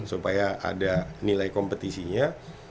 supaya ada nilai kompetisinya